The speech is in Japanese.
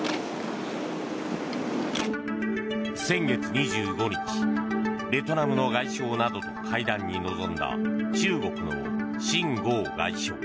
先月２５日ベトナムの外相などと会談に臨んだ中国のシン・ゴウ外相。